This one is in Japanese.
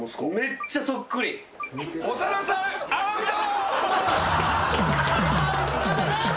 長田さんアウト！